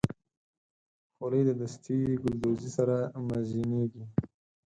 خولۍ د دستي ګلدوزۍ سره مزینېږي.